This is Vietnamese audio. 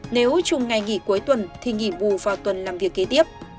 nếu chung ngày nghỉ cuối tuần thì nghỉ bù vào tuần làm việc kế tiếp